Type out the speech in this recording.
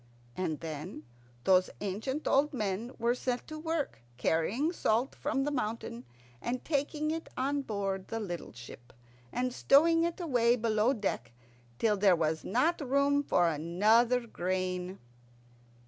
And then those ancient old men were set to work carrying salt from the mountain and taking it on board the little ship, and stowing it away below deck till there was not room for another grain.